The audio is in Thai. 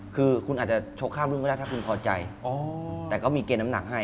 คือคุณอาจจะชกข้ามรุ่นก็ได้ถ้าคุณพอใจแต่ก็มีเกณฑ์น้ำหนักให้